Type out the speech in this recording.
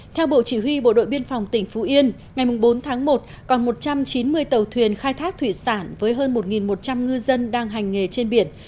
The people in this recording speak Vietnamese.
theo bộ chỉ huy bộ đội biên phòng tỉnh phú yên ngày bốn tháng một còn một trăm chín mươi tàu thuyền khai thác thủy sản với hơn một một trăm linh ngư dân đang hành nghề trên biển